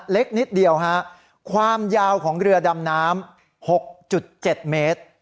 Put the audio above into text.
เล็กนิดเดียวฮะความยาวของเรือดำน้ำ๖๗เมตร